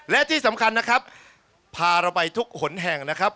และที่สำคัญนะครับพาเราไปทุกหนแห่งนะครับ